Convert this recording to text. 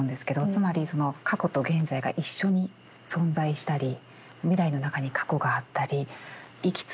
つまり過去と現在が一緒に存在したり未来の中に過去があったり行きつ戻りつ